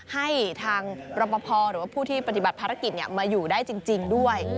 ให้ทางรปภหรือว่าผู้ที่ปฏิบัติภารกิจมาอยู่ได้จริงด้วย